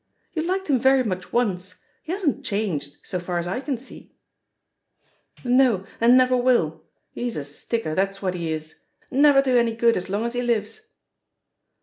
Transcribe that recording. "You liked him very much once ; he hasn't changed, so far as I can see I" "No, and never will — ^he's a sticker, that's what he is. Never do any good as long as he lives."